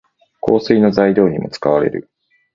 香水の材料にも使われる。